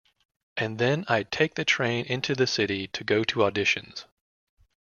"And then I'd take the train into the city to go to auditions".